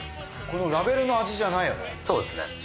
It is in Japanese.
このラベルの味じゃないよね。